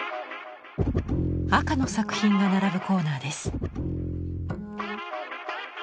赤の作品が並ぶコーナーです。